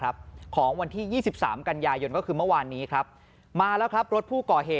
บ่าย๓โมง๔๗นาที